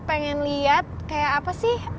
pengen lihat kayak apa sih